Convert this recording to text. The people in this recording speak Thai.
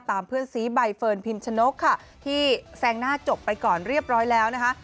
เพื่อนซีใบเฟิร์นพิมชนกค่ะที่แซงหน้าจบไปก่อนเรียบร้อยแล้วนะคะ